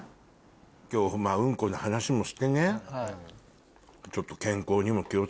今日うんこの話もしてねちょっと。